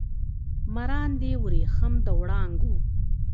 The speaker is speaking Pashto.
مراندې وریښم د وړانګو